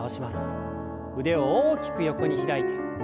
腕を大きく横に開いて。